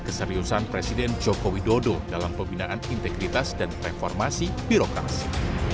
keseriusan presiden joko widodo dalam pembinaan integritas dan reformasi birokrasi